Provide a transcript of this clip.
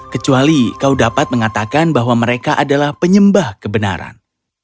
kecuali kau dapat mengatakan bahwa mereka adalah penyembah kebenaran